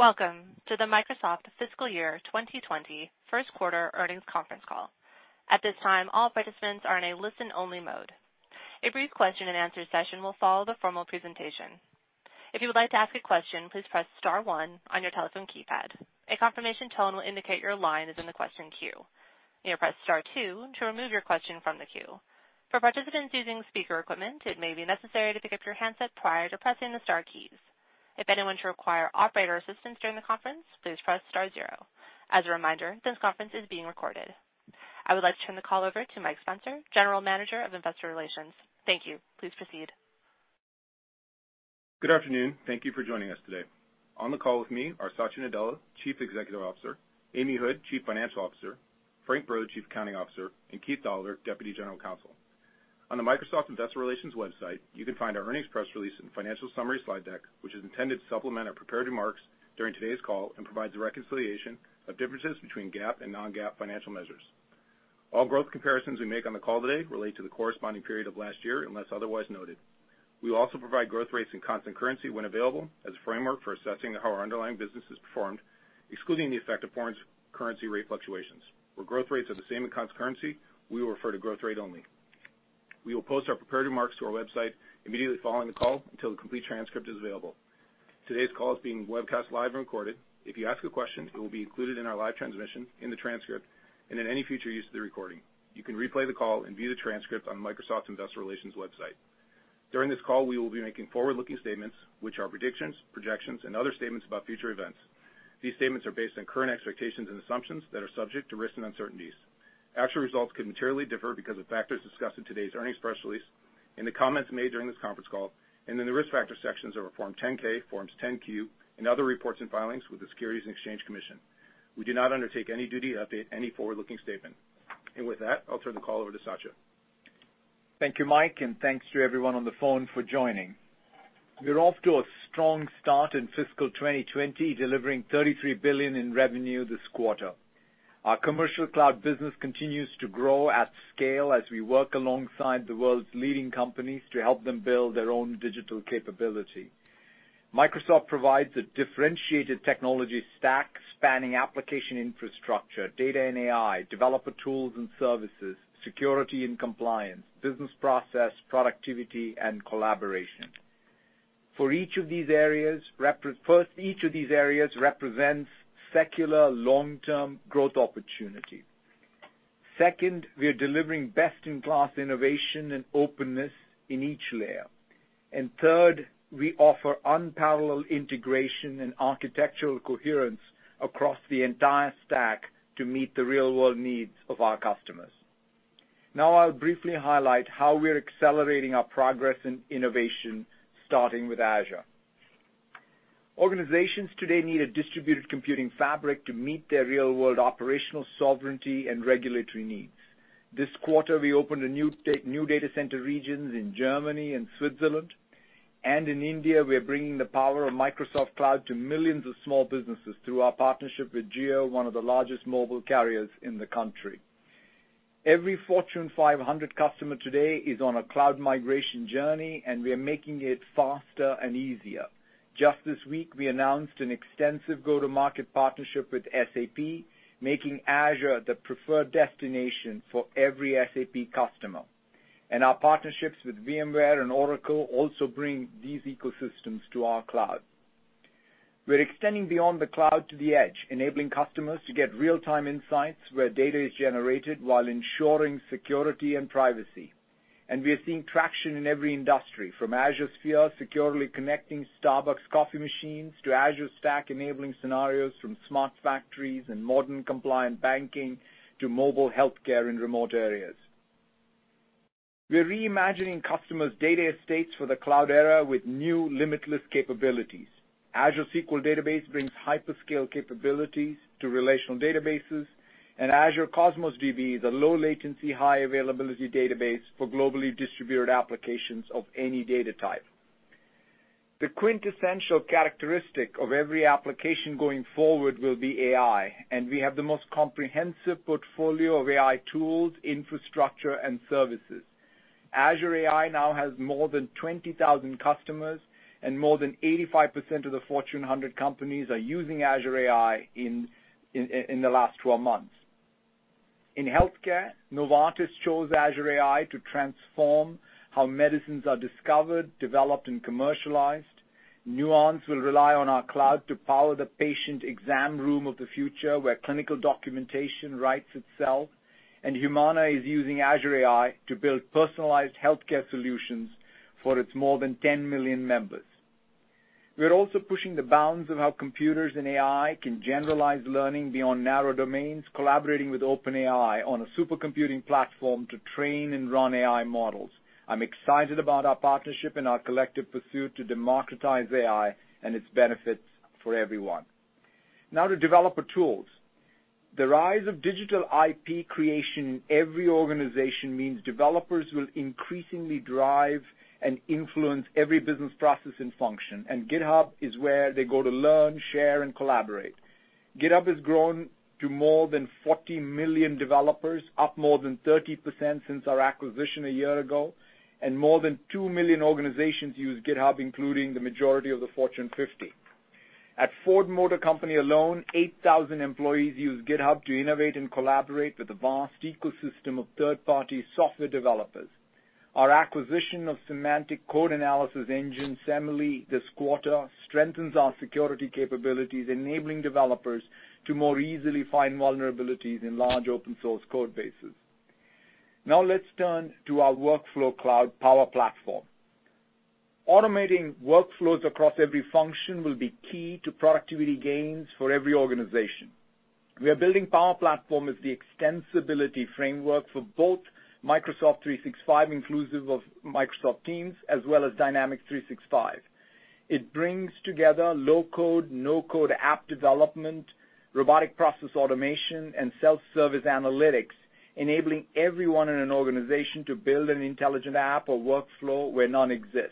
Welcome to the Microsoft Fiscal Year 2020 first quarter earnings conference call. At this time, all participants are in a listen-only mode. A brief question and answer session will follow the formal presentation. If you would like to ask a question, please press star one on your telephone keypad. A confirmation tone will indicate your line is in the question queue. You may press star two to remove your question from the queue. For participants using speaker equipment. It may be necessary to pick up your handset prior to pressing the star keys. If anyone should require operator assistance during the conference, please press star zero. As a reminder, this conference is being recorded. I would like to turn the call over to Mike Spencer, General Manager of Investor Relations. Thank you. Please proceed. Good afternoon. Thank you for joining us today. On the call with me are Satya Nadella, Chief Executive Officer, Amy Hood, Chief Financial Officer, Frank Brod, Chief Accounting Officer, and Keith Dolliver, Deputy General Counsel. On the Microsoft Investor Relations website, you can find our earnings press release and financial summary slide deck, which is intended to supplement our prepared remarks during today's call and provides a reconciliation of differences between GAAP and non-GAAP financial measures. All growth comparisons we make on the call today relate to the corresponding period of last year unless otherwise noted. We will also provide growth rates in constant currency when available as a framework for assessing how our underlying business has performed. Excluding the effect of foreign currency rate fluctuations. Where growth rates are the same in constant currency. We will refer to growth rate only. We will post our prepared remarks to our website immediately following the call until the complete transcript is available. Today's call is being webcast live and recorded. If you ask a question, it will be included in our live transmission in the transcript and in any future use of the recording. You can replay the call and view the transcript on Microsoft's Investor Relations website. During this call, we will be making forward-looking statements, which are predictions, projections, and other statements about future events. These statements are based on current expectations and assumptions that are subject to risks and uncertainties. Actual results could materially differ because of factors discussed in today's earnings press release in the comments made during this conference call, and in the Risk Factors sections of our Form 10-K, Form 10-Q, and other reports and filings with the Securities and Exchange Commission. We do not undertake any duty to update any forward-looking statement. With that, I'll turn the call over to Satya. Thank you, Mike, and thanks to everyone on the phone for joining. We're off to a strong start in fiscal 2020, delivering $33 billion in revenue this quarter. Our commercial cloud business continues to grow at scale as we work alongside the world's leading companies to help them build their own digital capability. Microsoft provides a differentiated technology stack spanning application infrastructure, data and AI, developer tools and services, security and compliance, business process, productivity, and collaboration. For each of these areas, represents secular long-term growth opportunity. Second, we are delivering best-in-class innovation and openness in each layer. Third, we offer unparalleled integration and architectural coherence across the entire stack to meet the real-world needs of our customers. Now I'll briefly highlight how we're accelerating our progress in innovation, starting with Azure. Organizations today need a distributed computing fabric to meet their real-world operational sovereignty and regulatory needs. This quarter, we opened new data center regions in Germany and Switzerland. In India, we are bringing the power of Microsoft Cloud to millions of small businesses through our partnership with Jio, one of the largest mobile carriers in the country. Every Fortune 500 customer today is on a cloud migration journey. We are making it faster and easier. Just this week, we announced an extensive go-to-market partnership with SAP, making Azure the preferred destination for every SAP customer. Our partnerships with VMware and Oracle also bring these ecosystems to our cloud. We're extending beyond the cloud to the edge, enabling customers to get real-time insights where data is generated while ensuring security and privacy. We are seeing traction in every industry from Azure Sphere securely connecting Starbucks coffee machines to Azure Stack enabling scenarios from smart factories and modern compliant banking to mobile healthcare in remote areas. We are reimagining customers' data estates for the cloud era with new limitless capabilities. Azure SQL Database brings hyperscale capabilities to relational databases, and Azure Cosmos DB is a low latency high availability database for globally distributed applications of any data type. The quintessential characteristic of every application going forward will be AI, and we have the most comprehensive portfolio of AI tools, infrastructure, and services. Azure AI now has more than 20,000 customers, and more than 85% of the Fortune 100 companies are using Azure AI in the last 12 months. In healthcare, Novartis chose Azure AI to transform how medicines are discovered, developed, and commercialized. Nuance will rely on our cloud to power the patient exam room of the future, where clinical documentation writes itself. Humana is using Azure AI to build personalized healthcare solutions for its more than 10 million members. We are also pushing the bounds of how computers and AI can generalize learning beyond narrow domains, collaborating with OpenAI on a supercomputing platform to train and run AI models. I'm excited about our partnership and our collective pursuit to democratize AI and its benefits for everyone. Now to developer tools. The rise of digital IP creation in every organization means developers will increasingly drive and influence every business process and function, and GitHub is where they go to learn, share, and collaborate. GitHub has grown to more than 40 million developers, up more than 30% since our acquisition a year ago, and more than 2 million organizations use GitHub, including the majority of the Fortune 50. At Ford Motor Company alone 8,000 employees use GitHub to innovate and collaborate with a vast ecosystem of third-party software developers. Our acquisition of semantic code analysis engine Semmle this quarter strengthens our security capabilities, enabling developers to more easily find vulnerabilities in large open source code bases. Now let's turn to our workflow cloud Power Platform. Automating workflows across every function will be key to productivity gains for every organization. We are building Power Platform as the extensibility framework for both Microsoft 365, inclusive of Microsoft Teams, as well as Dynamics 365. It brings together low-code no-code app development robotic process automation, and self-service analytics. Enabling everyone in an organization to build an intelligent app or workflow where none exists.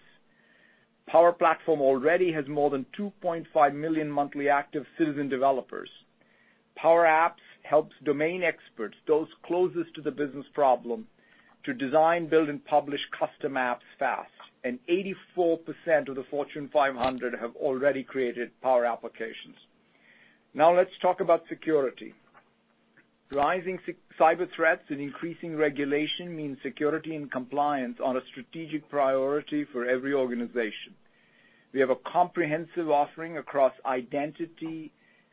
Power Platform already has more than 2.5 million monthly active citizen developers. Power Apps helps domain experts, those closest to the business problem to design, build, and publish custom apps fast. 84% of the Fortune 500 have already created Power Apps. Now let's talk about security. Rising cyber threats and increasing regulation means security and compliance are a strategic priority for every organization. We have a comprehensive offering across identity,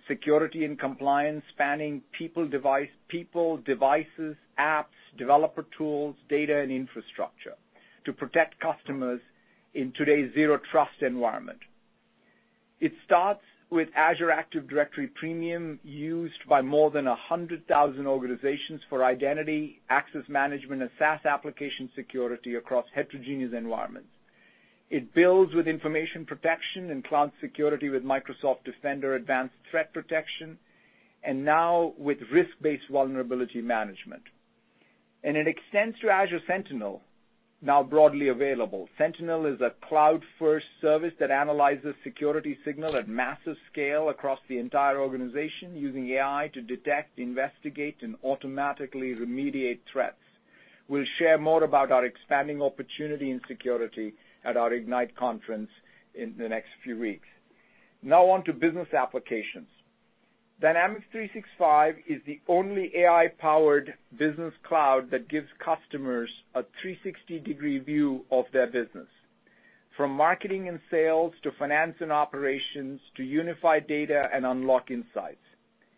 security, and compliance spanning people, devices, apps, developer tools, data, and infrastructure to protect customers in today's zero-trust environment. It starts with Azure Active Directory Premium, used by more than 100,000 organizations for identity, access management, and SaaS application security across heterogeneous environments. It builds with information protection and cloud security with Microsoft Defender Advanced Threat Protection. Now with risk-based vulnerability mangement, It extends to Azure Sentinel, now broadly available. Sentinel is a cloud-first service that analyzes security signal at massive scale across the entire organization using AI to detect, investigate, and automatically remediate threats. We'll share more about our expanding opportunity in security at our Ignite conference in the next few weeks. Now on to business applications. Dynamics 365 is the only AI-powered business cloud that gives customers a 360-degree view of their business, from marketing and sales to finance and operations to unified data and unlock insights.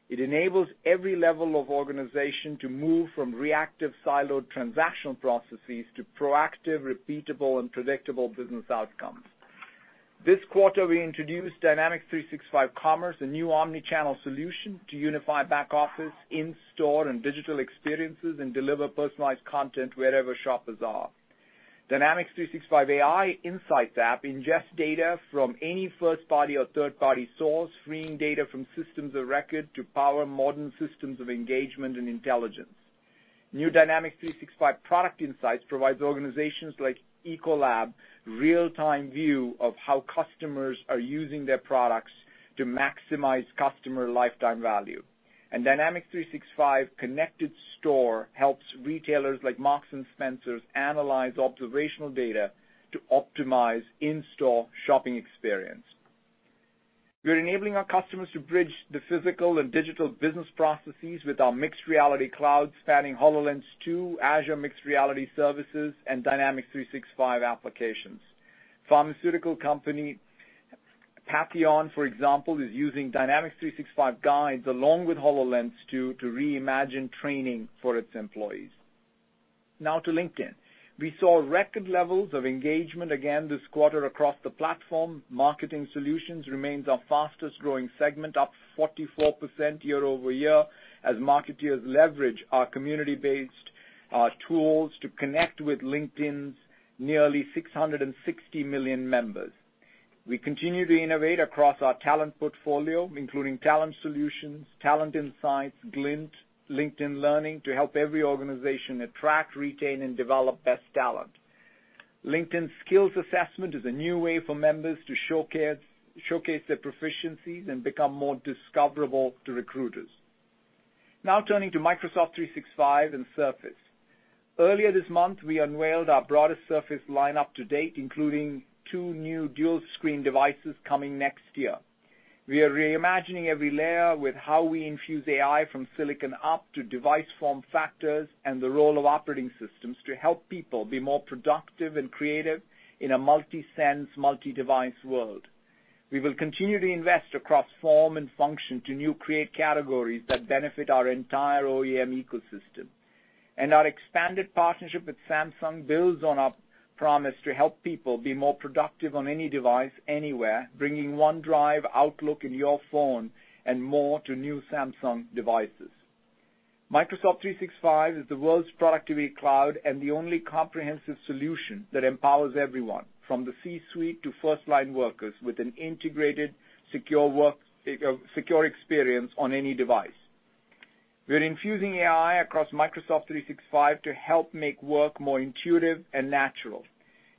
It enables every level of organization to move from reactive siloed transactional processes to proactive, repeatable, and predictable business outcomes. This quarter, we introduced Dynamics 365 Commerce, a new omnichannel solution to unify back-office, in-store, and digital experiences and deliver personalized content wherever shoppers are. Dynamics 365 AI Insights app ingest data from any first-party or third-party source, freeing data from systems of record to power modern systems of engagement and intelligence. New Dynamics 365 Product Insights provides organizations like Ecolab real-time view of how customers are using their products to maximize customer lifetime value. Dynamics 365 Connected Store helps retailers like Marks & Spencer analyze observational data to optimize in-store shopping experience. We're enabling our customers to bridge the physical and digital business processes with our mixed reality cloud spanning HoloLens 2, Azure Mixed Reality Services and Dynamics 365 applications. Pharmaceutical company Patheon. For example, is using Dynamics 365 Guides along with HoloLens 2 to reimagine training for its employees. To LinkedIn. We saw record levels of engagement again this quarter across the platform. Marketing Solutions remains our fastest-growing segment up 44% year-over-year as marketeers leverage our community-based tools to connect with LinkedIn's nearly 660 million members. We continue to innovate across our talent portfolio, including Talent Solutions, Talent Insights, Glint, LinkedIn Learning, to help every organization attract, retain, and develop best talent. LinkedIn Skills Assessment is a new way for members to showcase their proficiencies and become more discoverable to recruiters. Turning to Microsoft 365 and Surface. Earlier this month, we unveiled our broadest Surface lineup to date, including two new dual-screen devices coming next year. We are reimagining every layer with how we infuse AI from silicon up to device form factors and the role of operating systems to help people be more productive and creative in a multi-sense, multi-device world. We will continue to invest across form and function to new create categories that benefit our entire OEM ecosystem. Our expanded partnership with Samsung builds on our promise to help people be more productive on any device anywhere, bringing OneDrive, Outlook in your phone and more to new Samsung devices. Microsoft 365 is the world's productivity cloud and the only comprehensive solution that empowers everyone from the C-suite to first-line workers with an integrated, secure work, secure experience on any device. We're infusing AI across Microsoft 365 to help make work more intuitive and natural.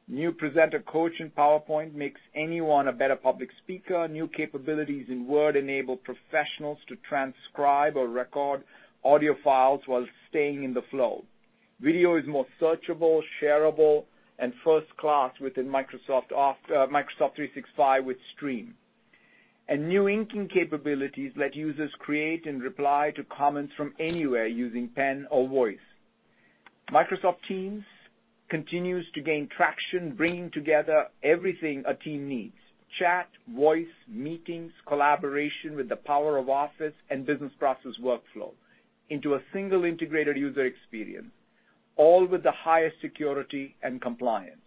New presenter coach in PowerPoint makes anyone a better public speaker. New capabilities in Word enable professionals to transcribe or record audio files while staying in the flow. Video is more searchable, shareable, and first-class within Microsoft 365 with Stream. New inking capabilities let users create and reply to comments from anywhere using pen or voice. Microsoft Teams continues to gain traction, bringing together everything a team needs, chat, voice, meetings, collaboration with the power of Office and business process workflow into a single integrated user experience, all with the highest security and compliance.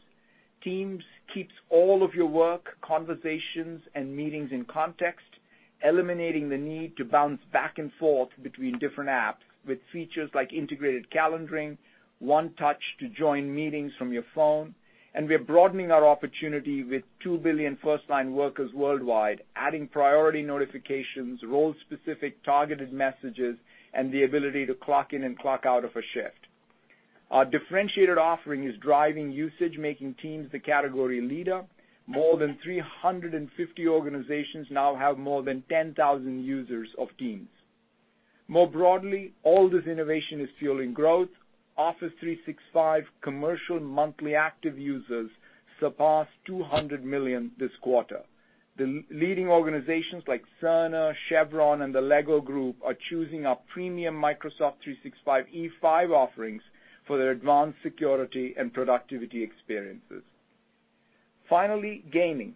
Teams keeps all of your work, conversations, and meetings in context, eliminating the need to bounce back and forth between different apps with features like integrated calendaring. One touch to join meetings from your phone, and we're broadening our opportunity with 2 billion firstline workers worldwide, adding priority notifications, role-specific targeted messages, and the ability to clock in and clock out of a shift. Our differentiated offering is driving usage, making Teams the category leader. More than 350 organizations now have more than 10,000 users of Teams. More broadly, all this innovation is fueling growth. Office 365 commercial monthly active users surpassed 200 million this quarter. The leading organizations like Cerner, Chevron, and The LEGO Group are choosing our premium Microsoft 365 E5 offerings for their advanced security and productivity experiences. Finally, gaming.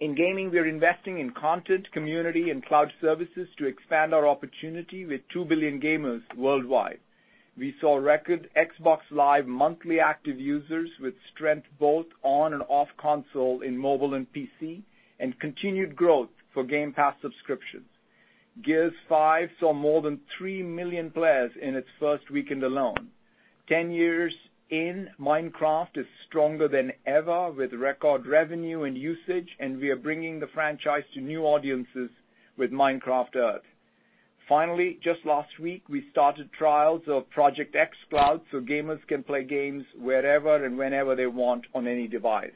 In gaming, we are investing in content, community, and cloud services to expand our opportunity with 2 billion gamers worldwide. We saw record Xbox Live monthly active users with strength both on and off console in mobile and PC, and continued growth for Game Pass subscriptions. Gears 5 saw more than 3 million players in its first weekend alone. 10 years in, Minecraft is stronger than ever with record revenue and usage, and we are bringing the franchise to new audiences with Minecraft Earth. Finally, just last week, we started trials of Project xCloud, so gamers can play games wherever and whenever they want on any device.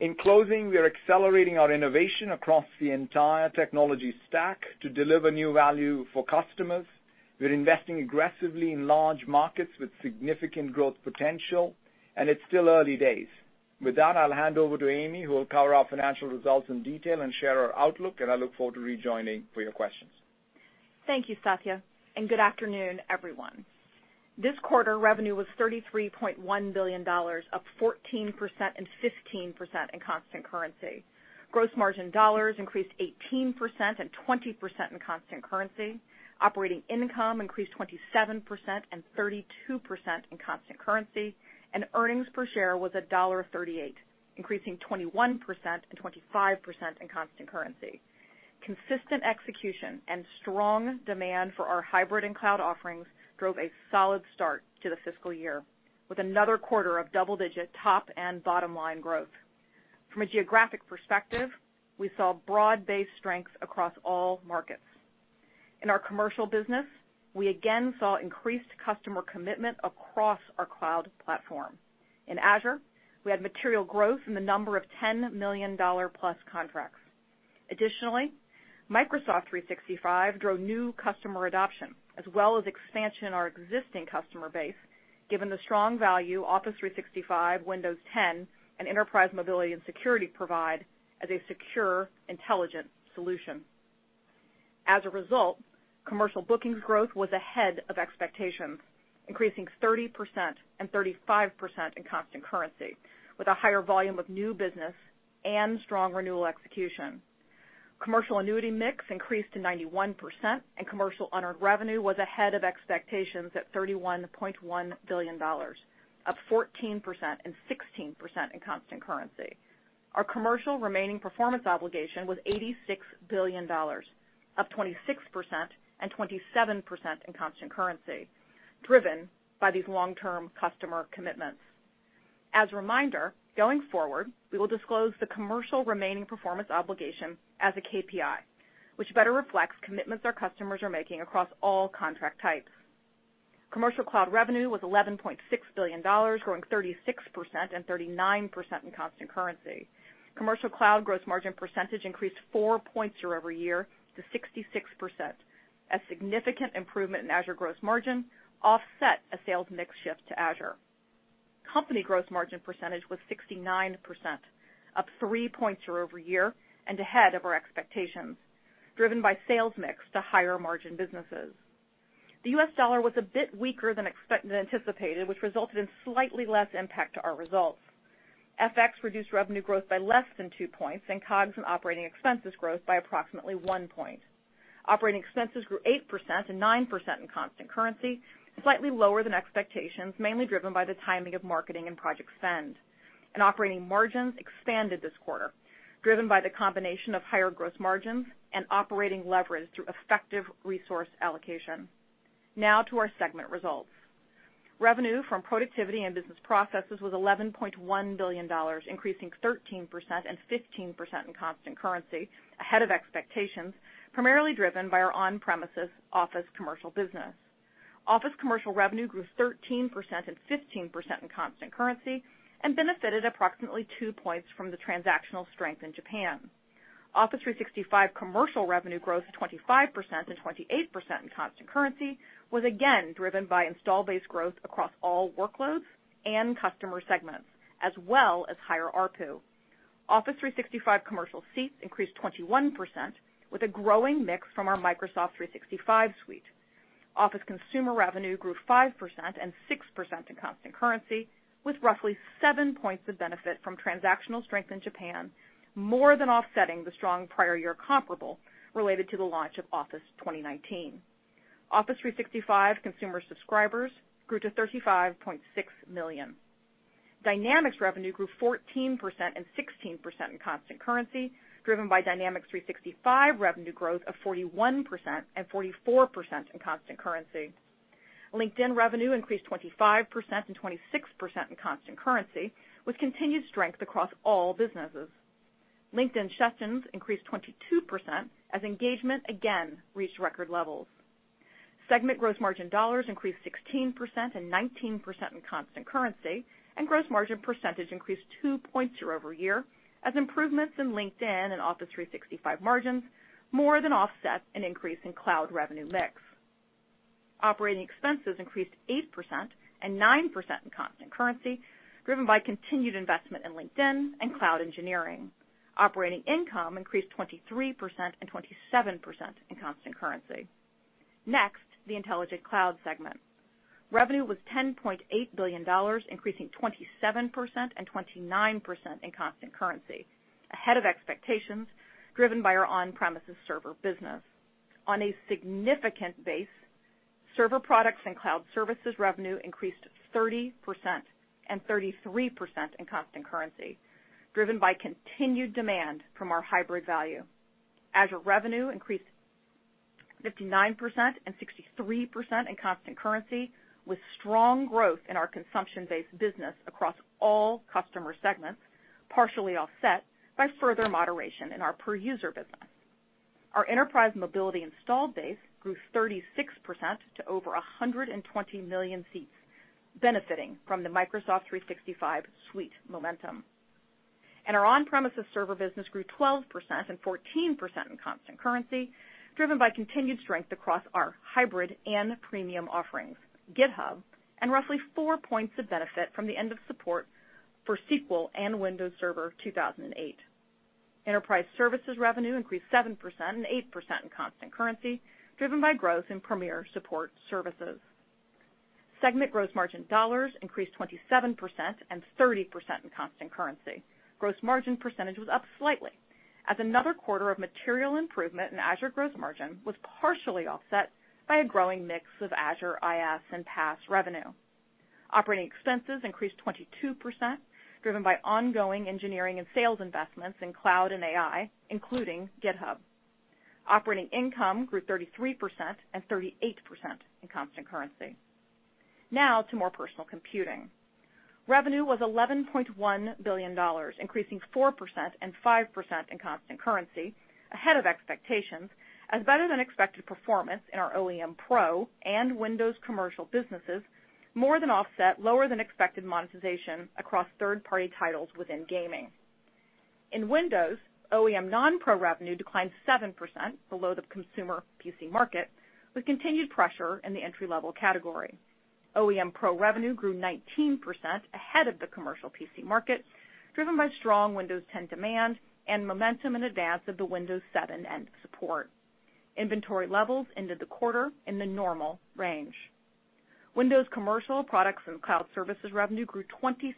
In closing, we are accelerating our innovation across the entire technology stack to deliver new value for customers. We're investing aggressively in large markets with significant growth potential, and it's still early days. With that, I'll hand over to Amy. Who will cover our financial results in detail and share our outlook, and I look forward to rejoining for your questions. Thank you, Satya. Good afternoon everyone. This quarter, revenue was $33.1 billion, up 14% and 15% in constant currency. Gross margin dollars increased 18% and 20% in constant currency. Operating income increased 27% and 32% in constant currency, and earnings per share was $1.38, increasing 21% and 25% in constant currency. Consistent execution and strong demand for our hybrid and cloud offerings drove a solid start to the fiscal year, with another quarter of double-digit top and bottom line growth. From a geographic perspective, we saw broad-based strengths across all markets. In our commercial business, we again saw increased customer commitment across our cloud platform. In Azure, we had material growth in the number of $10 million plus contracts. Additionally, Microsoft 365 drove new customer adoption. As well as expansion in our existing customer base given the strong value Office 365, Windows 10, and Enterprise Mobility + Security provide as a secure, intelligent solution. As a result, commercial bookings growth was ahead of expectations, increasing 30% and 35% in constant currency, with a higher volume of new business and strong renewal execution. Commercial annuity mix increased to 91%, and commercial unearned revenue was ahead of expectations at $31.1 billion, up 14% and 16% in constant currency. Our commercial remaining performance obligation was $86 billion, up 26% and 27% in constant currency. Driven by these long-term customer commitments. As a reminder, going forward, we will disclose the commercial remaining performance obligation as a KPI. Which better reflects commitments our customers are making across all contract types. Commercial cloud revenue was $11.6 billion, growing 36% and 39% in constant currency. Commercial cloud gross margin percentage increased four points year-over-year to 66%. A significant improvement in Azure gross margin offset a sales mix shift to Azure. Company gross margin percentage was 69%, up three points year-over-year and ahead of our expectations. Driven by sales mix to higher margin businesses. The US dollar was a bit weaker than anticipated, which resulted in slightly less impact to our results. FX reduced revenue growth by less than two points and COGS and operating expenses growth by approximately one point. Operating expenses grew 8% and 9% in constant currency, slightly lower than expectations, mainly driven by the timing of marketing and project spend. Operating margins expanded this quarter, driven by the combination of higher gross margins and operating leverage through effective resource allocation. Now to our segment results. Revenue from productivity and business processes was $11.1 billion. Increasing 13% and 15% in constant currency ahead of expectations, primarily driven by our on-premises Office commercial business. Office commercial revenue grew 13% and 15% in constant currency and benefited approximately two points from the transactional strength in Japan. Office 365 commercial revenue growth of 25% and 28% in constant currency was again driven by install base growth across all workloads and customer segments, as well as higher ARPU. Office 365 commercial seats increased 21% with a growing mix from our Microsoft 365 suite. Office consumer revenue grew 5% and 6% in constant currency, with roughly seven points of benefit from transactional strength in Japan. More than offsetting the strong prior year comparable related to the launch of Office 2019. Office 365 consumer subscribers grew to 35.6 million. Dynamics revenue grew 14% and 16% in constant currency, driven by Dynamics 365 revenue growth of 41% and 44% in constant currency. LinkedIn revenue increased 25% and 26% in constant currency, with continued strength across all businesses. LinkedIn sessions increased 22% as engagement again reached record levels. Segment gross margin dollars increased 16% and 19% in constant currency, and gross margin percentage increased two points year over year as improvements in LinkedIn and Office 365 margins more than offset an increase in cloud revenue mix. Operating expenses increased 8% and 9% in constant currency, driven by continued investment in LinkedIn and cloud engineering. Operating income increased 23% and 27% in constant currency. Next, the Intelligent Cloud segment. Revenue was $10.8 billion, increasing 27% and 29% in constant currency, ahead of expectations, driven by our on-premises server business. On a significant base, server products and cloud services revenue increased 30% and 33% in constant currency, driven by continued demand from our hybrid value. Azure revenue increased 59% and 63% in constant currency with strong growth in our consumption-based business across all customer segments, partially offset by further moderation in our per user business. Our Enterprise Mobility installed base grew 36% to over 120 million seats, benefiting from the Microsoft 365 suite momentum. Our on-premises server business grew 12% and 14% in constant currency, driven by continued strength across our hybrid and premium offerings, GitHub, and roughly four points of benefit from the end of support for SQL and Windows Server 2008. Enterprise services revenue increased 7% and 8% in constant currency, driven by growth in premier support services. Segment gross margin dollars increased 27% and 30% in constant currency. Gross margin percentage was up slightly as another quarter of material improvement in Azure gross margin was partially offset by a growing mix of Azure IaaS and PaaS revenue. Operating expenses increased 22%, driven by ongoing engineering and sales investments in cloud and AI, including GitHub. Operating income grew 33% and 38% in constant currency. Now to more personal computing. Revenue was $11.1 billion, increasing 4% and 5% in constant currency, ahead of expectations. As better than expected performance in our OEM Pro and Windows commercial businesses more than offset lower than expected monetization across third-party titles within gaming. In Windows, OEM non-pro revenue declined 7% below the consumer PC market, with continued pressure in the entry-level category. OEM Pro revenue grew 19% ahead of the commercial PC market, driven by strong Windows 10 demand and momentum in advance of the Windows 7 end support. Inventory levels ended the quarter in the normal range. Windows commercial products and cloud services revenue grew 26%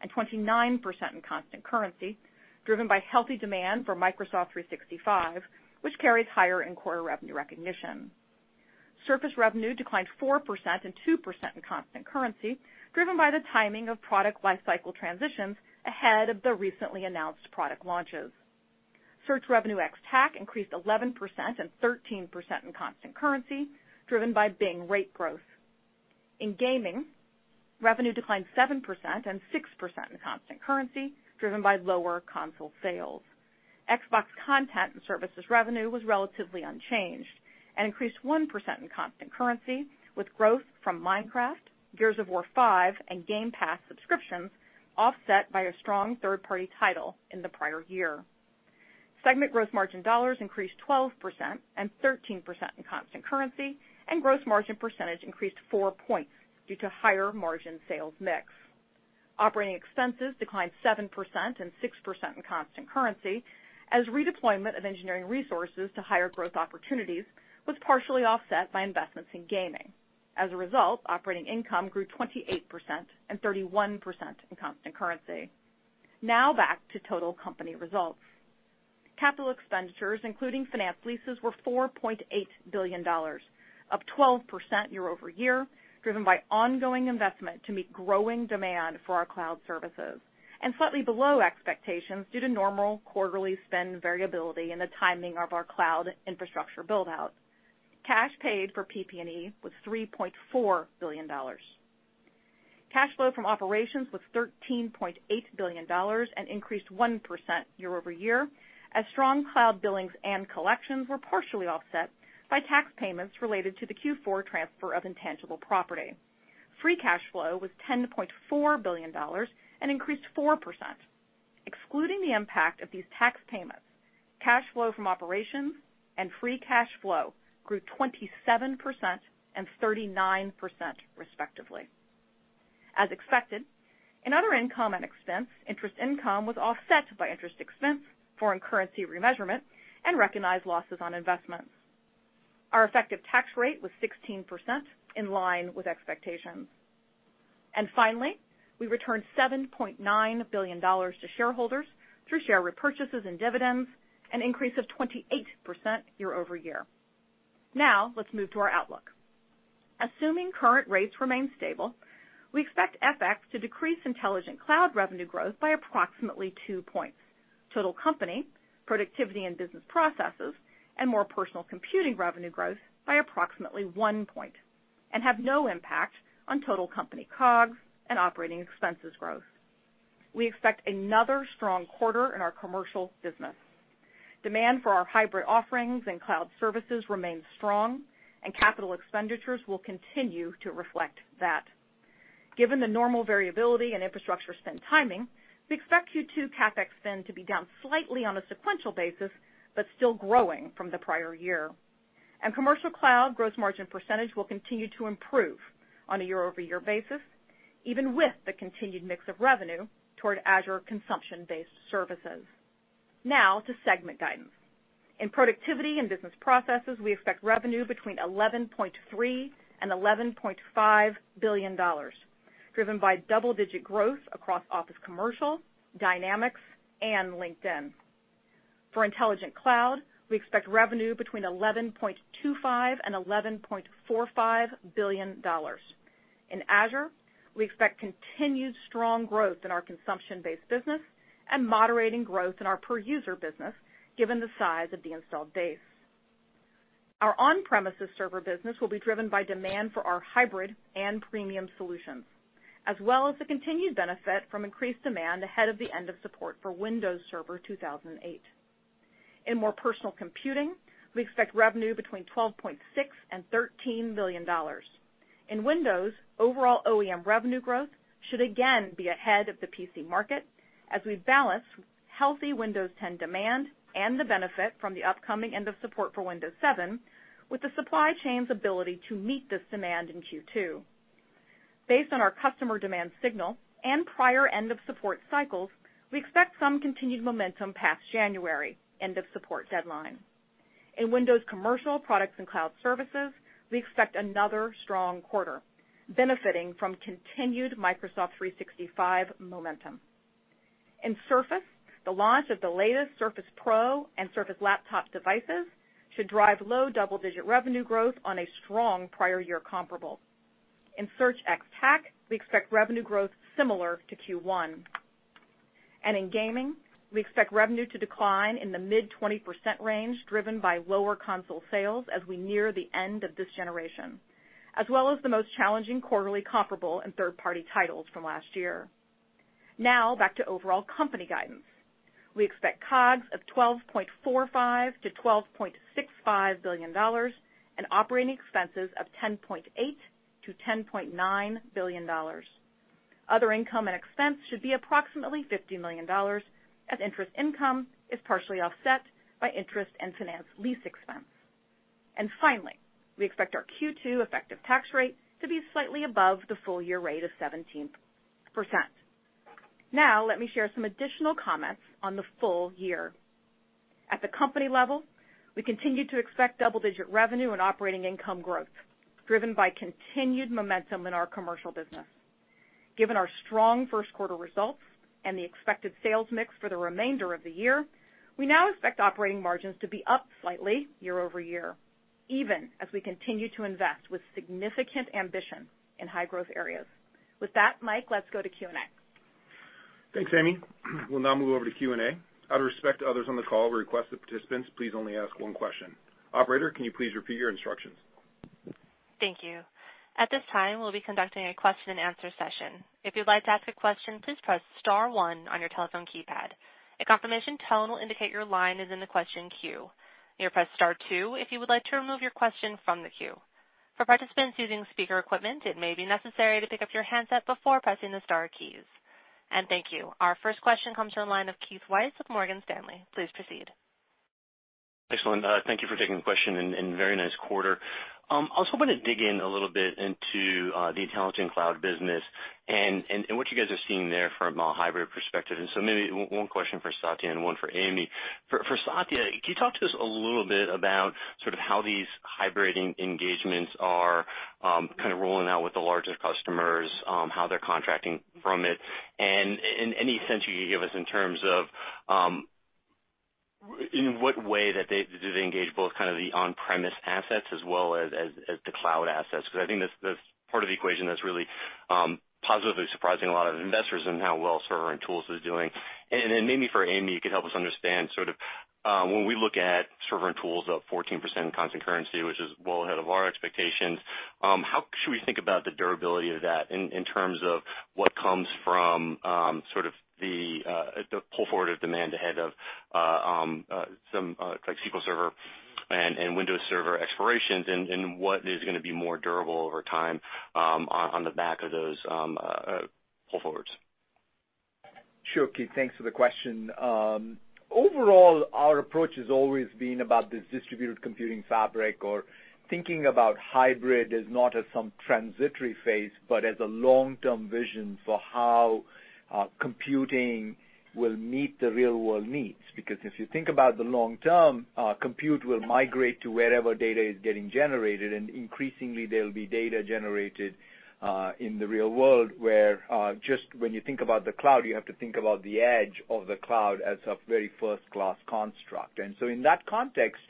and 29% in constant currency, driven by healthy demand for Microsoft 365, which carries higher in-quarter revenue recognition. Surface revenue declined 4% and 2% in constant currency, driven by the timing of product life cycle transitions ahead of the recently announced product launches. Search revenue ex-TAC increased 11% and 13% in constant currency, driven by Bing rate growth. In gaming, revenue declined 7% and 6% in constant currency, driven by lower console sales. Xbox content and services revenue was relatively unchanged and increased 1% in constant currency, with growth from Minecraft, Gears 5 and Game Pass subscriptions offset by a strong third-party title in the prior year. Segment gross margin dollars increased 12% and 13% in constant currency, and gross margin percentage increased four points due to higher margin sales mix. Operating expenses declined 7% and 6% in constant currency as redeployment of engineering resources to higher growth opportunities was partially offset by investments in gaming. Operating income grew 28% and 31% in constant currency. Back to total company results. CapEx, including finance leases, were $4.8 billion, up 12% year-over-year driven by ongoing investment to meet growing demand for our cloud services, and slightly below expectations due to normal quarterly spend variability and the timing of our cloud infrastructure build out. Cash paid for PP&E was $3.4 billion. Cash flow from operations was $13.8 billion and increased 1% year-over-year as strong cloud billings and collections were partially offset by tax payments related to the Q4 transfer of intangible property. Free cash flow was $10.4 billion and increased 4%. Excluding the impact of these tax payments, cash flow from operations and free cash flow grew 27% and 39% respectively. As expected, in other income and expense, interest income was offset by interest expense, foreign currency remeasurement, and recognized losses on investments. Our effective tax rate was 16% in line with expectations. Finally, we returned $7.9 billion to shareholders through share repurchases and dividends, an increase of 28% year over year. Let's move to our outlook. Assuming current rates remain stable, we expect FX to decrease Intelligent Cloud revenue growth by approximately two points, total company productivity and business processes, and more personal computing revenue growth by approximately one point and have no impact on total company COGS and operating expenses growth. We expect another strong quarter in our commercial business. Demand for our hybrid offerings and cloud services remains strong and capital expenditures will continue to reflect that. Given the normal variability and infrastructure spend timing, we expect Q2 CapEx spend to be down slightly on a sequential basis, but still growing from the prior year. Commercial cloud gross margin parcentage will continue to improve on a year-over-year basis, even with the continued mix of revenue toward Azure consumption-based services. Now to segment guidance. In Productivity and Business Processes, we expect revenue between $11.3 billion and $11.5 billion, driven by double-digit growth across Office Commercial, Dynamics, and LinkedIn. For Intelligent Cloud, we expect revenue between $11.25 billion and $11.45 billion. In Azure, we expect continued strong growth in our consumption-based business and moderating growth in our per user business given the size of the installed base. Our on-premises server business will be driven by demand for our hybrid and premium solutions, as well as the continued benefit from increased demand ahead of the end of support for Windows Server 2008. In more personal computing, we expect revenue between $12.6 billion and $13 billion. In Windows, overall OEM revenue growth should again be ahead of the PC market as we balance healthy Windows 10 demand and the benefit from the upcoming end of support for Windows 7 with the supply chain's ability to meet this demand in Q2. Based on our customer demand signal and prior end of support cycles, we expect some continued momentum past January end of support deadline. In Windows Commercial Products and Cloud services, we expect another strong quarter benefiting from continued Microsoft 365 momentum. In Surface, the launch of the latest Surface Pro and Surface Laptop devices should drive low double-digit revenue growth on a strong prior year comparable. In Search ex-TAC, we expect revenue growth similar to Q1. In gaming, we expect revenue to decline in the mid 20% range, driven by lower console sales as we near the end of this generation. As well as the most challenging quarterly comparable and third-party titles from last year. Now back to overall company guidance. We expect COGS of $12.45 billion-$12.65 billion and operating expenses of $10.8 billion-$10.9 billion. Other income and expense should be approximately $50 million as interest income is partially offset by interest and finance lease expense. Finally, we expect our Q2 effective tax rate to be slightly above the full year rate of 17%. Now, let me share some additional comments on the full year. At the company level, we continue to expect double-digit revenue and operating income growth driven by continued momentum in our commercial business. Given our strong first quarter results and the expected sales mix for the remainder of the year, we now expect operating margins to be up slightly year-over-year, even as we continue to invest with significant ambition in high growth areas. With that, Mike. Let's go to Q&A. Thanks, Amy. We'll now move over to Q&A. Out of respect to others on the call, we request that participants please only ask one question. Operator, can you please repeat your instructions? Thank you. At this time, we'll be conducting a question and answer session. If you'd like to ask a question, please press star one on your telephone keypad. A confirmation tone will indicate your line is in the question queue. You may press star two if you would like to remove your question from the queue. For participants using speaker equipment, it may be necessary to pick up your handset before pressing the star keys. Thank you. Our first question comes from the line of Keith Weiss with Morgan Stanley. Please proceed. Excellent. Thank you for taking the question and very nice quarter. I also want to dig in a little bit into the Intelligent Cloud business and what you guys are seeing there from a hybrid perspective. Maybe one question for Satya and one for Amy. For Satya, can you talk to us a little bit about sort of how these hybrid engagements are kind of rolling out with the larger customers, how they're contracting from it? Any sense you could give us in terms of in what way that they do they engage both kind of the on-premises assets as well as the cloud assets? I think that's part of the equation that's really positively surprising a lot of investors in how well Server and Tools is doing. Maybe for Amy, you could help us understand when we look at server and tools up 14% in constant currency, which is well ahead of our expectations. How should we think about the durability of that in terms of what comes from sort of the pull forward of demand ahead of like SQL Server and Windows Server expirations and what is gonna be more durable over time on the back of those pull forwards? Sure, Keith. Thanks for the question. Overall, our approach has always been about this distributed computing fabric or thinking about hybrid as not as some transitory phase, but as a long-term vision for how computing will meet the real world needs. If you think about the long term, compute will migrate to wherever data is getting generated, and increasingly there'll be data generated in the real world, where just when you think about the cloud, you have to think about the edge of the cloud as a very first-class construct. In that context,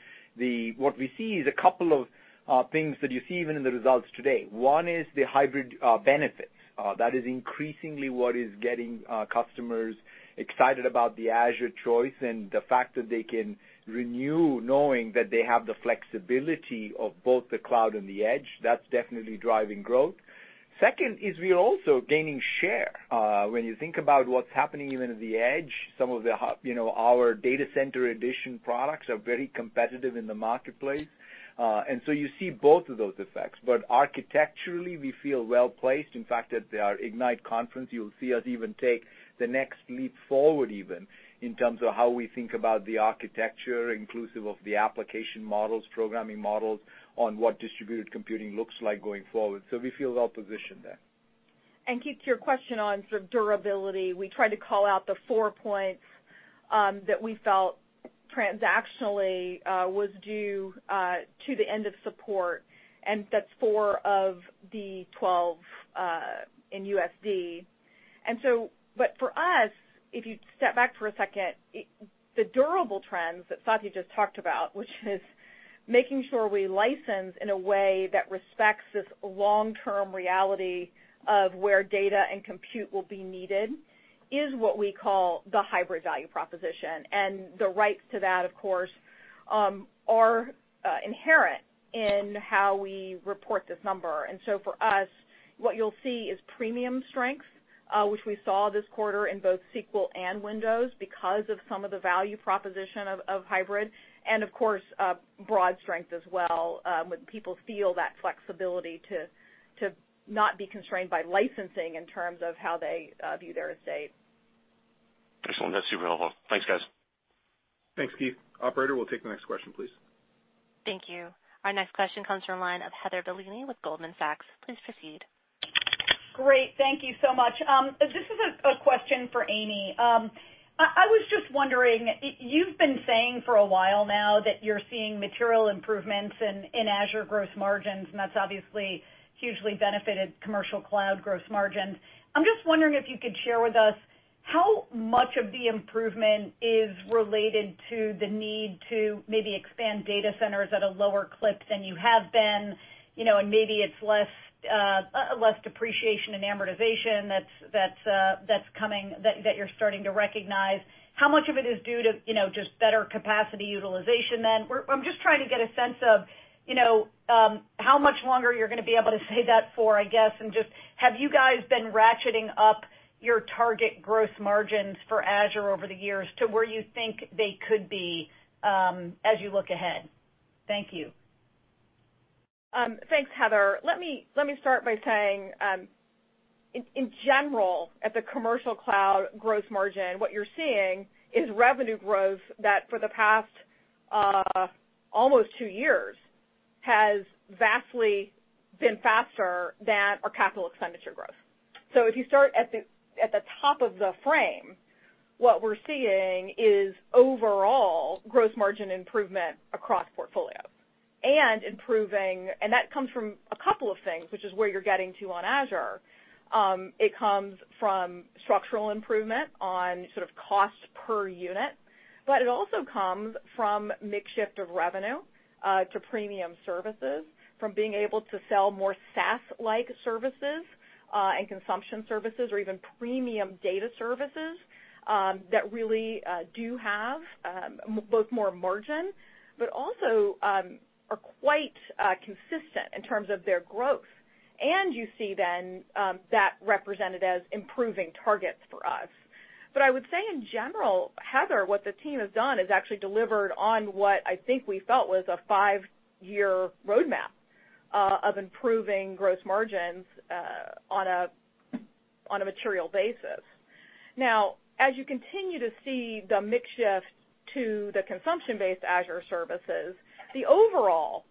what we see is a couple of things that you see even in the results today. One is the hybrid benefits. That is increasingly what is getting customers excited about the Azure choice and the fact that they can renew knowing that they have the flexibility of both the cloud and the edge. That's definitely driving growth. Second, we're also gaining share. When you think about what's happening even at the edge, some of the, you know, our data center edition products are very competitive in the marketplace. You see both of those effects. Architecturally, we feel well placed. In fact, at our Ignite conference, you'll see us even take the next leap forward even in terms of how we think about the architecture inclusive of the application models, programming models on what distributed computing looks like going forward. We feel well-positioned there. Keith, to your question on sort of durability, we tried to call out the four points that we felt transactionally was due to the end of support, and that's four of the 12 in USD. But for us, if you step back for a second. The durable trends that Satya just talked about, which is making sure we license in a way that respects this long-term reality of where data and compute will be needed is what we call the hybrid value proposition. The rights to that, of course, are inherent in how we report this number. For us, what you'll see is premium strength, which we saw this quarter in both SQL and Windows because of some of the value proposition of hybrid. Of course, broad strength as well, when people feel that flexibility to not be constrained by licensing in terms of how they view their estate. Excellent. That's super helpful. Thanks, guys. Thanks, Keith. Operator, we'll take the next question, please. Thank you. Our next question comes from line of Heather Bellini with Goldman Sachs. Please proceed. Great. Thank you so much. This is a question for Amy. I was just wondering, you've been saying for a while now that you're seeing material improvements in Azure gross margins, and that's obviously hugely benefited commercial cloud gross margins. I'm just wondering if you could share with us how much of the improvement is related to the need to maybe expand data centers at a lower clip than you have been, you know, and maybe it's less depreciation and amortization that's coming that you're starting to recognize. How much of it is due to, you know, just better capacity utilization then? I'm just trying to get a sense of, you know, how much longer you're gonna be able to say that for, I guess, and just have you guys been ratcheting up your target gross margins for Azure over the years to where you think they could be as you look ahead? Thank you. Thanks, Heather. Let me start by saying, in general at the commercial cloud gross margin. What you're seeing is revenue growth that for the past almost two years has vastly been faster than our capital expenditure growth. If you start at the top of the frame, what we're seeing is overall gross margin improvement across portfolios and improving. That comes from a couple of things, which is you're getting to on Azure. It comes from structural improvement on sort of cost per unit, but it also comes from mix shift of revenue to premium services from being able to sell more SaaS-like services and consumption services or even premium data services that really do have both more margin. But also are quite consistent in terms of their growth. You see then, that represented as improving targets for us. I would say in general, Heather, what the team has done is actually delivered on what I think we felt was a five year roadmap of improving gross margins on a material basis. As you continue to see the mix shift to the consumption-based Azure services. The overall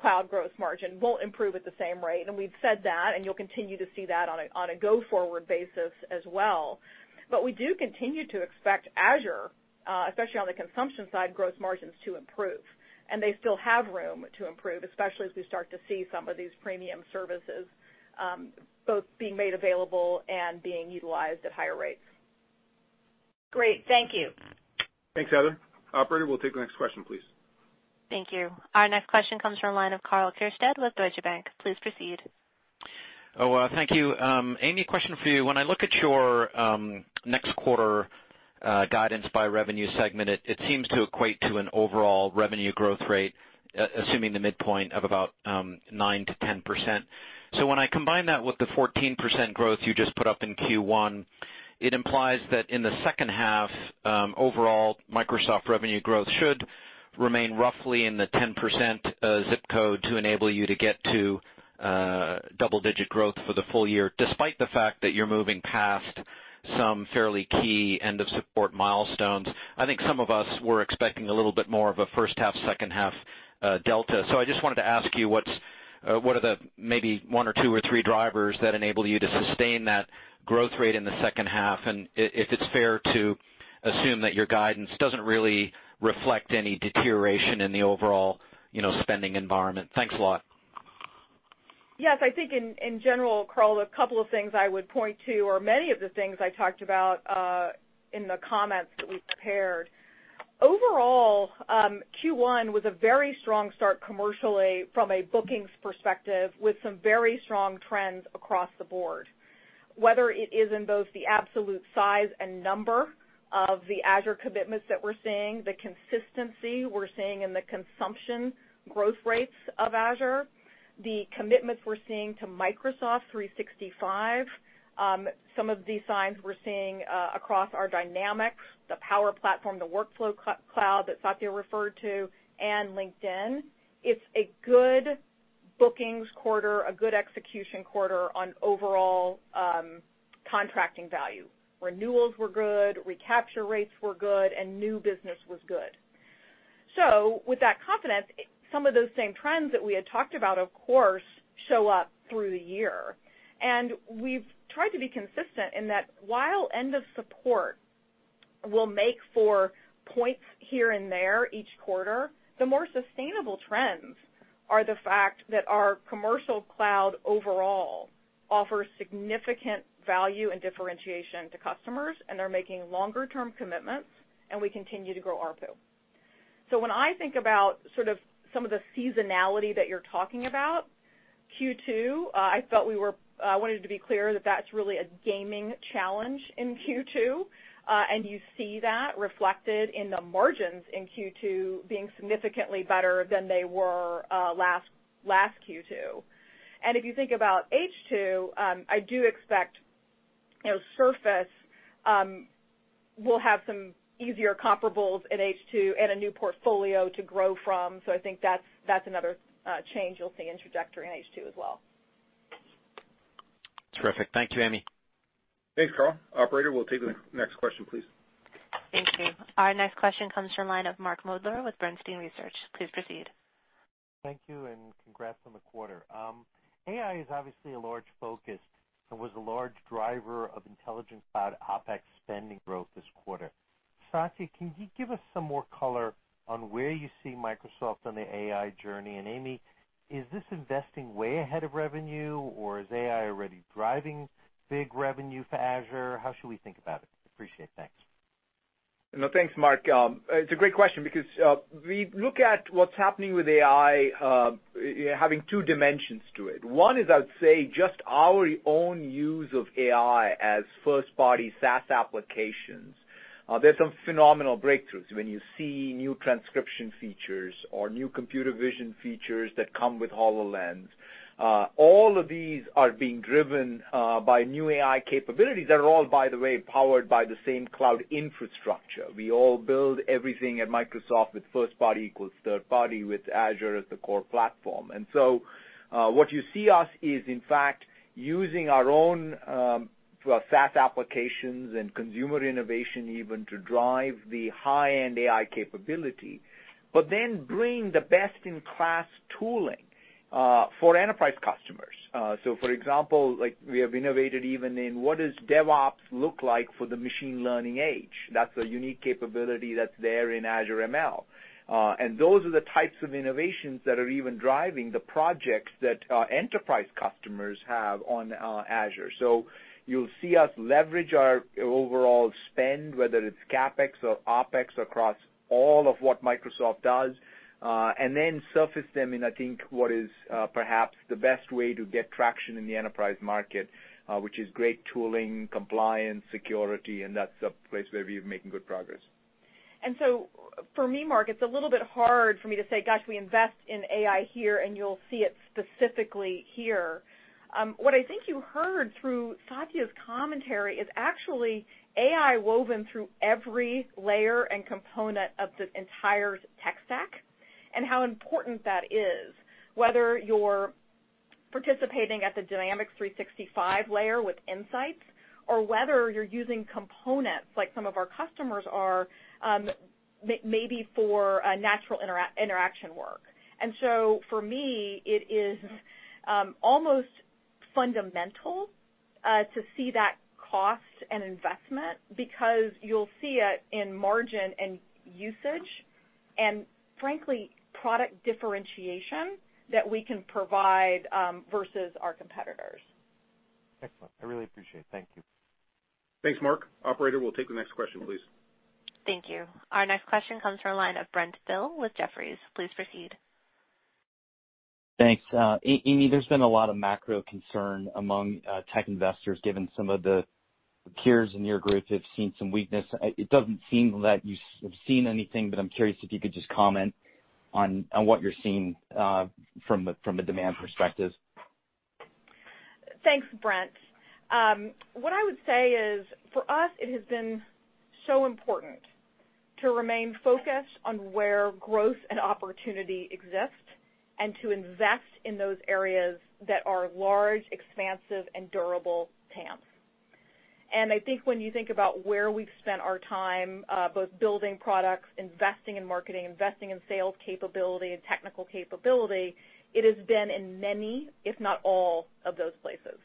cloud gross margin won't improve at the same rate, and we've said that, and you'll continue to see that on a go-forward basis as well. We do continue to expect Azure. Especially on the consumption side, gross margins to improve, and they still have room to improve. Especially as we start to see some of these premium services both being made available and being utilized at higher rates. Great. Thank you. Thanks, Heather. Operator, we'll take the next question, please. Thank you. Our next question comes from line of Karl Keirstead with Deutsche Bank. Please proceed. Thank you, Amy, question for you. When I look at your next quarter guidance by revenue segment, it seems to equate to an overall revenue growth rate, assuming the midpoint of about 9%-10%. When I combine that with the 14% growth you just put up in Q1, it implies that in the H2. Overall Microsoft revenue growth should remain roughly in the 10% zip code to enable you to get to double digit growth for the full year. Despite the fact that you're moving past some fairly key end of support milestones. I think some of us were expecting a little bit more of a H1, H2 delta. I just wanted to ask you, what are the maybe one or two or three drivers that enable you to sustain that growth rate in the H2, and if it's fair to assume that your guidance doesn't really reflect any deterioration in the overall, you know, spending environment? Thanks a lot. Yes, I think in general, Karl. A couple of things I would point to many of the things I talked about in the comments that we prepared. Overall, Q1 was a very strong start commercially from a bookings perspective with some very strong trends across the board, whether it is in both the absolute size and number of the Azure commitments that we're seeing, the consistency we're seeing in the consumption growth rates of Azure, the commitments we're seeing to Microsoft 365, some of the signs we're seeing across our Dynamics 365, the Power Platform the workflow cloud that Satya, referred to LinkedIn. It's a good bookings quarter, a good execution quarter on overall contracting value. Renewals were good, recapture rates were good, and new business was good. With that confidence, some of those same trends that we had talked about. Of course, show up through the year. We've tried to be consistent in that while end of support will make for points here and there each quarter, the more sustainable trends are the fact that our commercial cloud overall offers significant value and differentiation to customers, and they're making longer term commitments, and we continue to grow ARPU. When I think about sort of some of the seasonality that you're talking about, Q2. I felt we were wanted to be clear that that's really a gaming challenge in Q2, and you see that reflected in the margins in Q2 being significantly better than they were last Q2. If you think about H2, I do expect, you know, Surface will have some easier comparables in H2 and a new portfolio to grow from. I think that's another change you'll see in trajectory in H2 as well. Terrific. Thank you, Amy. Thanks, Karl. Operator, we'll take the next question, please. Thank you. Our next question comes from line of Mark Moerdler with Bernstein Research. Please proceed. Thank you, and congrats on the quarter. AI is obviously a large focus and was a large driver of Intelligent Cloud OpEx spending growth this quarter. Satya, can you give us some more color on where you see Microsoft on the AI journey? Amy, is this investing way ahead of revenue, or is AI already driving big revenue for Azure? How should we think about it? Appreciate it. Thanks. No, thanks, Mark. It's a great question because we look at what's happening with AI, having two dimensions to it. One is, I'd say just our own use of AI as first party SaaS applications. There's some phenomenal breakthroughs when you see new transcription features or new computer vision features that come with HoloLens. All of these are being driven by new AI capabilities that are all, by the way, powered by the same cloud infrastructure. We all build everything at Microsoft with first party equals third party, with Azure as the core platform. What you see us is, in fact, using our own SaaS applications and consumer innovation even to drive the high-end AI capability, but then bring the best in class tooling for enterprise customers. For example, like we have innovated even in what does DevOps look like for the machine learning age? That's a unique capability that's there in Azure ML. Those are the types of innovations that are even driving the projects that our enterprise customers have on Azure. You'll see us leverage our overall spend, whether it's CapEx or OpEx, across all of what Microsoft does, and then surface them in. I think, what is perhaps the best way to get traction in the enterprise market, which is great tooling, compliance, security, and that's a place where we're making good progress. For me, Mark, it's a little bit hard for me to say, "Gosh, we invest in AI here, and you'll see it specifically here." What I think you heard through Satya Nadella's commentary is actually AI woven through every layer and component of the entire tech stack and how important that is, whether you're participating at the Dynamics 365 layer with insights or whether you're using components like some of our customers are, maybe for a natural interaction work. For me, it is almost fundamental to see that cost and investment because you'll see it in margin and usage and frankly, product differentiation that we can provide versus our competitors. Excellent. I really appreciate it. Thank you. Thanks, Mark. Operator, we'll take the next question, please. Thank you. Our next question comes from a line of Brent Thill with Jefferies. Please proceed. Thanks. Amy, there's been a lot of macro concern among tech investors given some of the peers in your group have seen some weakness. It doesn't seem that you have seen anything, but I'm curious if you could just comment on what you're seeing from the demand perspective. Thanks, Brent. What I would say is for us it has been so important to remain focused on where growth and opportunity exists and to invest in those areas that are large, expansive and durable TAMs. I think when you think about where we've spent our time, both building products, investing in marketing, investing in sales capability and technical capability, it has been in many, if not all, of those places.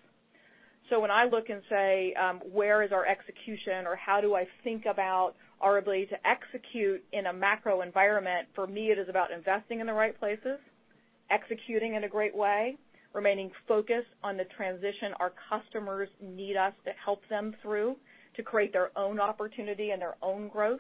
When I look and say, Where is our execution? How do I think about our ability to execute in a macro environment? For me, it is about investing in the right places, executing in a great way, remaining focused on the transition our customers need us to help them through to create their own opportunity and their own growth.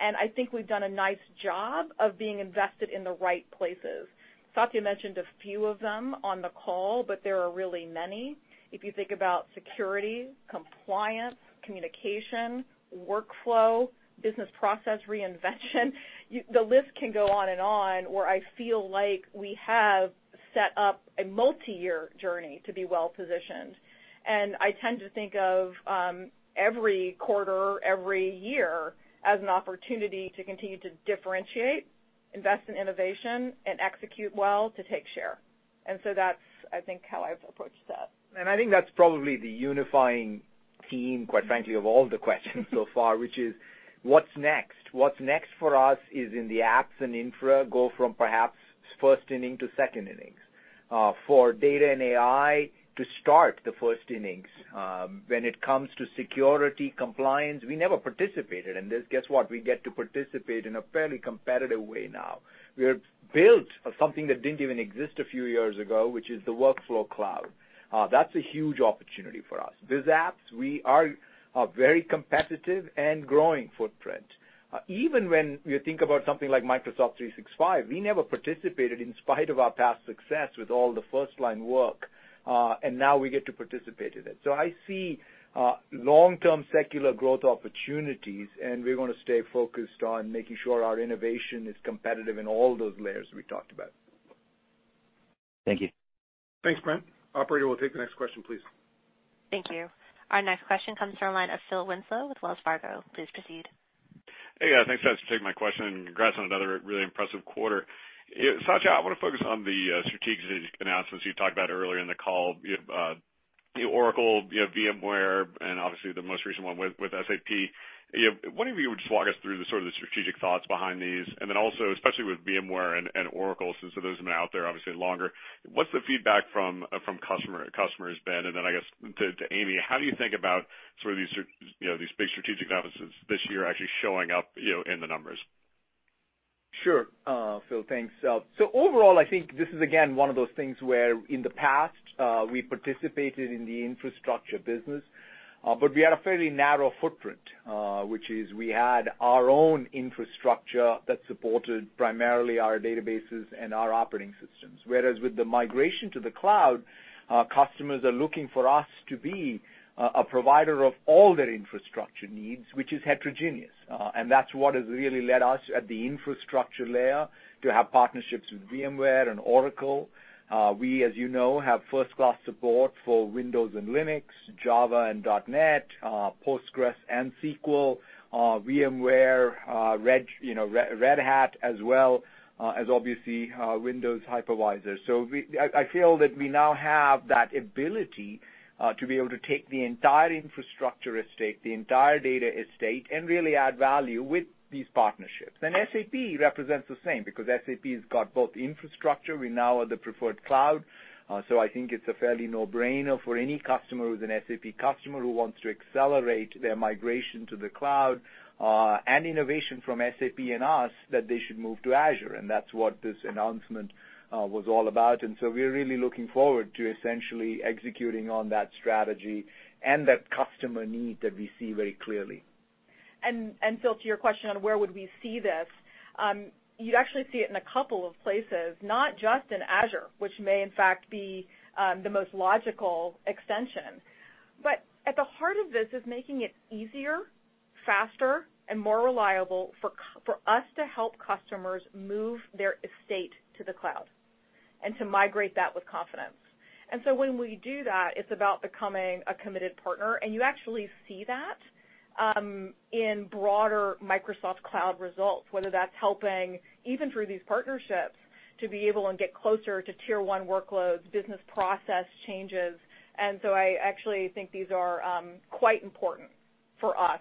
I think we've done a nice job of being invested in the right places. Satya mentioned a few of them on the call, but there are really many. If you think about security, compliance, communication, workflow, business process reinvention the list can go on and on where I feel like we have set up a multiyear journey to be well-positioned. I tend to think of every quarter, every year as an opportunity to continue to differentiate, invest in innovation and execute well to take share. That's, I think, how I've approached that. I think that's probably the unifying theme quite frankly, of all the questions so far, which is what's next? What's next for us is in the apps and infra go from perhaps first inning to second innings. For data and AI to start the first innings. When it comes to security compliance, we never participated in this. Guess what? We get to participate in a fairly competitive way now. We have built something that didn't even exist a few years ago, which is the workflow cloud. That's a huge opportunity for us. Biz apps, we are a very competitive and growing footprint. Even when you think about something like Microsoft 365, we never participated in spite of our past success with all the first line work, and now we get to participate in it. I see, long-term secular growth opportunities, and we're gonna stay focused on making sure our innovation is competitive in all those layers we talked about. Thank you. Thanks, Brent. Operator, we'll take the next question, please. Thank you. Our next question comes from a line of Phil Winslow with Wells Fargo. Please proceed. Hey, guys, thanks for taking my question and congrats on another really impressive quarter. Satya, I wanna focus on the strategic announcements you talked about earlier in the call. You know, the Oracle, you have VMware and obviously the most recent one with SAP. You know, wondering if you would just walk us through the sort of the strategic thoughts behind these and then also especially with VMware and Oracle since those have been out there obviously longer, what's the feedback from customers been? Then I guess to Amy, how do you think about sort of these you know, these big strategic announcements this year actually showing up, you know, in the numbers? Sure, Phil, thanks. Overall, I think this is again one of those things where in the past, we participated in the infrastructure business, but we had a fairly narrow footprint, which is we had our own infrastructure that supported primarily our databases and our operating systems. Whereas with the migration to the cloud, our customers are looking for us to be a provider of all their infrastructure needs, which is heterogeneous. That's what has really led us at the infrastructure layer to have partnerships with VMware and Oracle. We, as you know, have first-class support for Windows and Linux, Java and .NET, PostgreSQL and SQL, VMware, Red Hat as well. As obviously, Windows Hypervisor. I feel that we now have that ability to be able to take the entire infrastructure estate, the entire data estate, and really add value with these partnerships. SAP represents the same because SAP has got both infrastructure. We now are the preferred cloud. I think it's a fairly no-brainer for any customer who's an SAP customer who wants to accelerate their migration to the cloud and innovation from SAP and us that they should move to Azure, and that's what this announcement was all about. We're really looking forward to essentially executing on that strategy and that customer need that we see very clearly. Phil, to your question on where would we see this, you'd actually see it in a couple of places, not just in Azure, which may in fact be the most logical extension. At the heart of this is making it easier, faster and more reliable for us to help customers move their estate to the cloud and to migrate that with confidence. When we do that, it's about becoming a committed partner, and you actually see that in broader Microsoft Cloud results, whether that's helping even through these partnerships to be able and get closer to tier one workloads, business process changes. I actually think these are quite important for us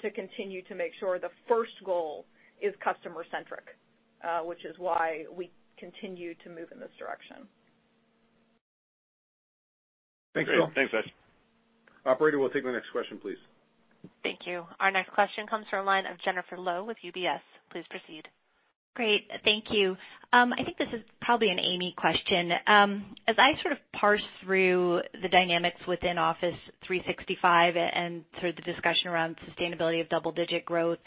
to continue to make sure the first goal is customer centric, which is why we continue to move in this direction. Thanks, guys. Thanks, Phil. Operator, we'll take the next question, please. Thank you. Our next question comes from the line of Jennifer Lowe with UBS. Please proceed. Great. Thank you. I think this is probably an Amy Hood question. As I sort of parse through the dynamics within Office 365 and sort of the discussion around sustainability of double-digit growth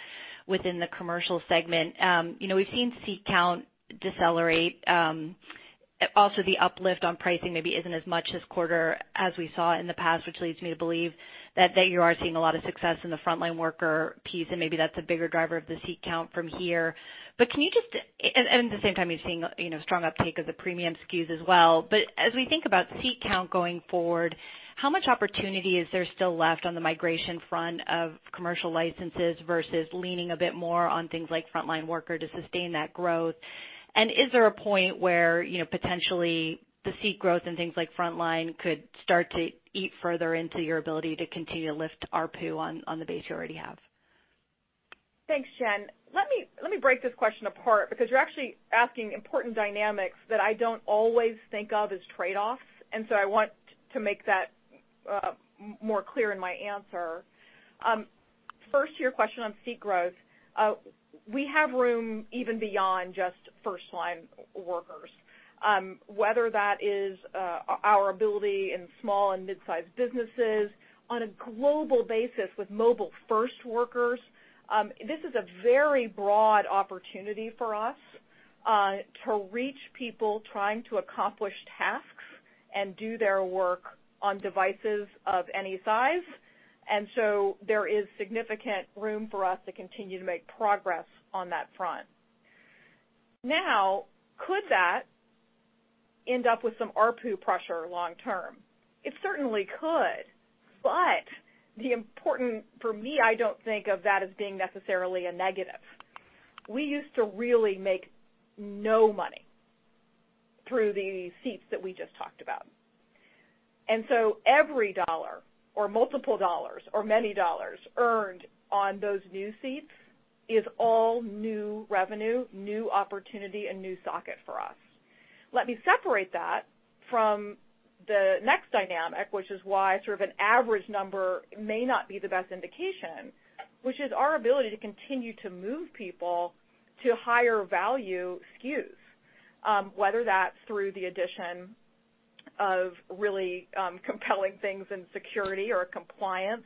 within the commercial segment, you know, we've seen seat count decelerate. Also the uplift on pricing maybe isn't as much this quarter as we saw in the past, which leads me to believe that you are seeing a lot of success in the frontline worker piece, and maybe that's a bigger driver of the seat count from here. Can you just and at the same time, you're seeing, you know, strong uptake of the premium SKUs as well. As we think about seat count going forward, how much opportunity is there still left on the migration front of commercial licenses versus leaning a bit more on things like frontline worker to sustain that growth? Is there a point where, you know, potentially the seat growth and things like frontline could start to eat further into your ability to continue to lift ARPU on the base you already have? Thanks, Jennifer. Let me break this question apart because you're actually asking important dynamics that I don't always think of as trade-offs. I want to make that more clear in my answer. First to your question on seat growth, we have room even beyond just first-line workers. Whether that is our ability in small and mid-sized businesses on a global basis with mobile first workers, this is a very broad opportunity for us to reach people trying to accomplish tasks and do their work on devices of any size. There is significant room for us to continue to make progress on that front. Now, could that end up with some ARPU pressure long term? It certainly could, the important for me, I don't think of that as being necessarily a negative. We used to really make no money through the seats that we just talked about. Every dollar or multiple dollars or many dollars earned on those new seats is all new revenue, new opportunity, and new socket for us. Let me separate that from the next dynamic, which is why sort of an average number may not be the best indication. Which is our ability to continue to move people to higher value SKUs. Whether that's through the addition of really compelling things in security or compliance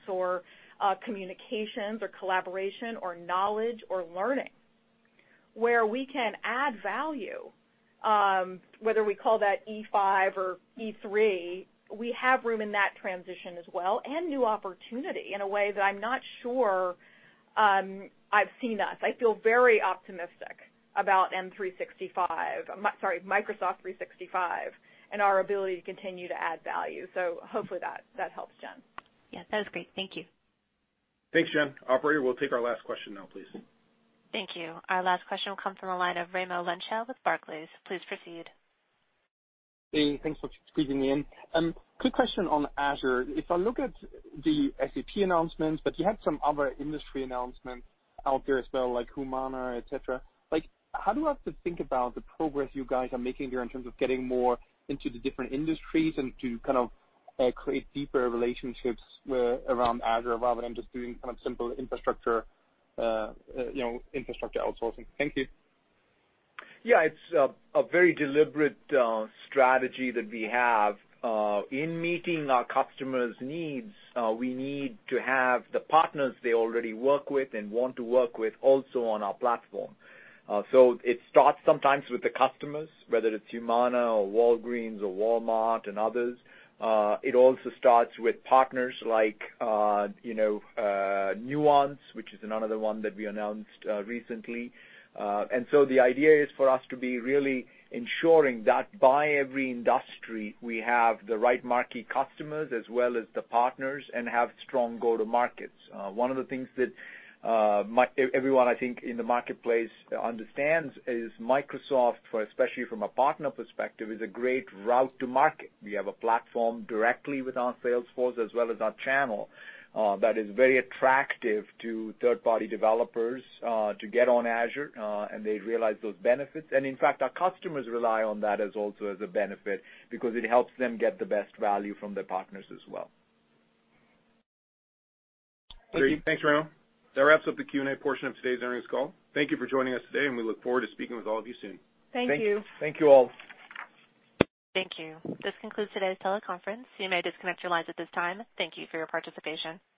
or communications or collaboration or knowledge or learning. Where we can add value, whether we call that E5 or E3, we have room in that transition as well, and new opportunity in a way that I'm not sure. I've seen us. I feel very optimistic about Microsoft 365. I'm sorry, Microsoft 365 and our ability to continue to add value. Hopefully that helps, Jennifer. Yeah, that was great. Thank you. Thanks, Jennifer. Operator, we'll take our last question now, please. Thank you. Our last question will come from the line of Raimo Lenschow with Barclays. Please proceed. Hey, thanks for squeezing me in. Quick question on Azure. If I look at the SAP announcements, but you had some other industry announcements out there as well, like Humana, et cetera. How do I have to think about the progress you guys are making there in terms of getting more into the different industries and to kind of create deeper relationships around Azure rather than just doing kind of simple infrastructure, you know, infrastructure outsourcing? Thank you. Yeah, it's a very deliberate strategy that we have. In meeting our customers' needs, we need to have the partners they already work with and want to work with also on our platform. It starts sometimes with the customers, whether it's Humana or Walgreens or Walmart and others. It also starts with partners like, you know, Nuance, which is another one that we announced recently. The idea is for us to be really ensuring that by every industry, we have the right marquee customers as well as the partners and have strong go-to markets. One of the things that everyone. I think, in the marketplace understands is Microsoft. Especially from a partner perspective is a great route to market. We have a platform directly with our sales force as well as our channel, that is very attractive to third-party developers, to get on Azure, and they realize those benefits. In fact, our customers rely on that as also as a benefit because it helps them get the best value from their partners as well. Thank you. Great. Thanks, Raimo. That wraps up the Q&A portion of today's earnings call. Thank you for joining us today, and we look forward to speaking with all of you soon. Thank you. Thank you, all. Thank you. This concludes today's teleconference. You may disconnect your lines at this time. Thank you for your participation.